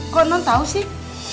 kok non tau sih